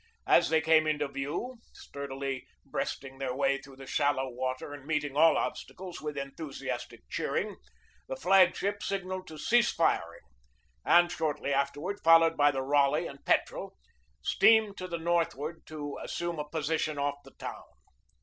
As they came into view, sturdily breasting their way through the shallow water and meeting all obstacles with enthusiastic cheering, the flag ship signalled to cease firing, and shortly afterward, followed by the Raleigh and Petrel, steamed to the northward to as sume a position off the town.